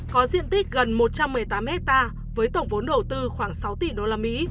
có diện tích gần một trăm một mươi tám hectare với tổng vốn đầu tư khoảng sáu tỷ usd